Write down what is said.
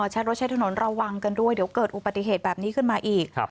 ใช้รถใช้ถนนระวังกันด้วยเดี๋ยวเกิดอุบัติเหตุแบบนี้ขึ้นมาอีก